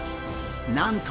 なんと！